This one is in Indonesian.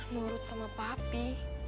nurut sama papi